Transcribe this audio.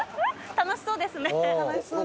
楽しそうです。